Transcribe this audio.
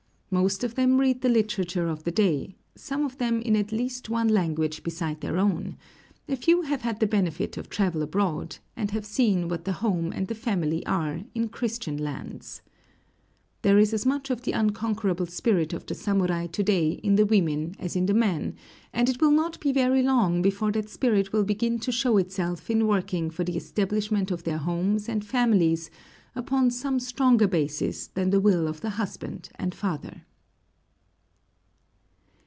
Most of them read the literature of the day, some of them in at least one language beside their own; a few have had the benefit of travel abroad, and have seen what the home and the family are in Christian lands. There is as much of the unconquerable spirit of the samurai to day in the women as in the men; and it will not be very long before that spirit will begin to show itself in working for the establishment of their homes and families upon some stronger basis than the will of the husband and father.